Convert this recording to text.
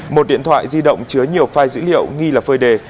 một điện thoại di động chứa nhiều file dữ liệu nghi là phơi đề